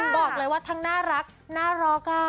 บอกเลยว่าทั้งน่ารักน่าร็อกอ่ะ